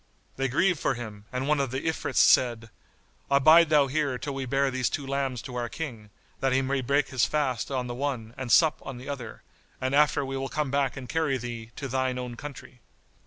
They grieved for him and one of the Ifrits said, "Abide thou here till we bear these two lambs to our King, that he may break his fast on the one and sup on the other, and after we will come back and carry thee to thine own country."